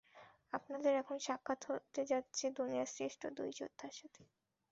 আপনাদের এখন সাক্ষাৎ হতে যাচ্ছে দুনিয়ার শ্রেষ্ঠ দুই যোদ্ধার সাথে।